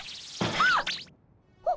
あっ！